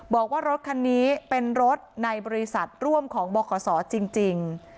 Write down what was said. บอกว่ารถคันนี้เป็นรถในบริษัทร่วมของบขจริง